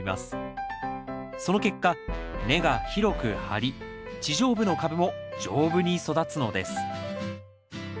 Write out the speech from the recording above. その結果根が広く張り地上部の株も丈夫に育つのです。